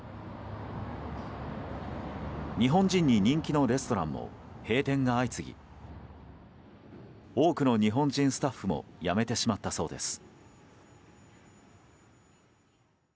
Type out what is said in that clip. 日本人に人気のレストランも閉店が相次ぎ多くの日本人スタッフも辞めてしまったそうです。